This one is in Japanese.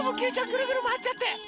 くるくるまわっちゃって。